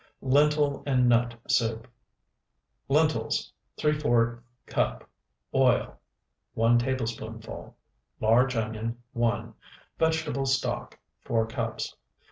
LENTIL AND NUT SOUP Lentils, ¾ cup. Oil, 1 tablespoonful. Large onion, 1. Vegetable stock, 4 cups.